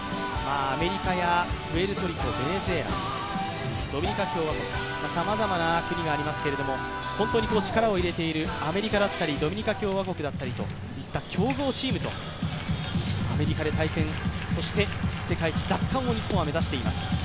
アメリカやプエルトリコ、ベネズエラ、ドミニカ共和国、さまざまな国がありますけれども、本当に力を入れているアメリカだったりドミニカ共和国だったりという強豪チームとアメリカで対戦そして世界一奪還を日本は目指しています。